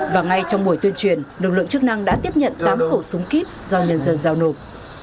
và ngay trong buổi tuyên truyền lực lượng chức năng đã tiếp nhận tám khẩu súng kíp do nhân dân giao nộp